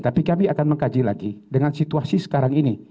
tapi kami akan mengkaji lagi dengan situasi sekarang ini